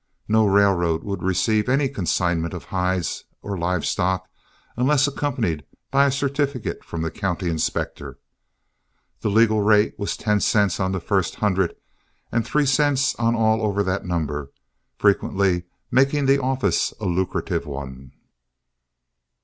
No railroad would receive any consignment of hides or live stock, unless accompanied by a certificate from the county inspector. The legal rate was ten cents on the first hundred, and three cents on all over that number, frequently making the office a lucrative one.